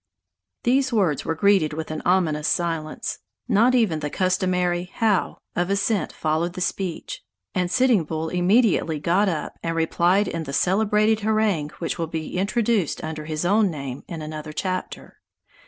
These words were greeted with an ominous silence. Not even the customary "How!" of assent followed the speech, and Sitting Bull immediately got up and replied in the celebrated harangue which will be introduced under his own name in another chapter.